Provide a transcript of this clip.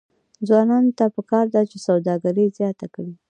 ځوانانو ته پکار ده چې، سوداګري زیاته کړي.